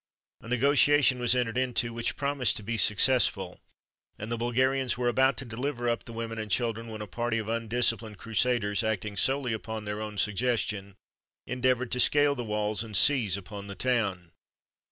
A negotiation was entered into, which promised to be successful, and the Bulgarians were about to deliver up the women and children, when a party of undisciplined Crusaders, acting solely upon their own suggestion, endeavoured to scale the walls and seize upon the town.